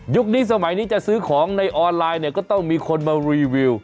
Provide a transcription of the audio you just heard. นี้สมัยนี้จะซื้อของในออนไลน์เนี่ยก็ต้องมีคนมารีวิว